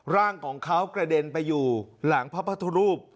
ร่างของเขากระเด็นไปอยู่หลังพระพุทธรูป